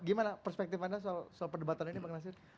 gimana perspektif anda soal perdebatan ini bang nasir